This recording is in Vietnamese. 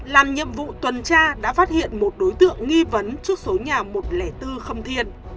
làm nhiệm vụ tuần tra đã phát hiện một đối tượng nghi vấn trước số nhà một trăm linh bốn khâm thiên